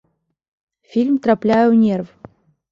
Фільм трапляе ў нерв.